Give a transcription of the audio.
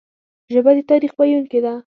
ژبه د تاریخ ویونکي ده